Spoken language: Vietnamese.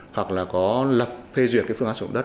hoặc là có lập phê duyệt cái phương án sử dụng đất